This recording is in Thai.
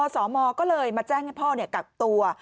สมก็เลยมาแจ้งให้พ่อกักตัว